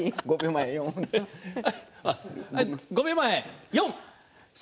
５秒前、４、３。